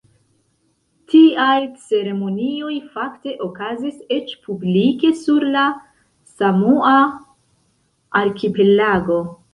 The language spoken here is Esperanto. Tiaj ceremonioj fakte okazis eĉ publike sur la Samoa-arkipelago.